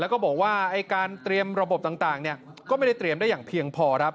แล้วก็บอกว่าการเตรียมระบบต่างก็ไม่ได้เตรียมได้อย่างเพียงพอครับ